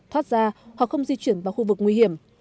thoát ra hoặc không di chuyển vào khu vực nguy hiểm